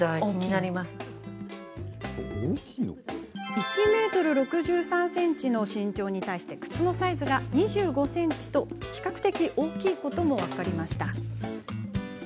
１ｍ６３ｃｍの身長に対して靴のサイズが２５ｃｍと比較的大きいことも分かりました。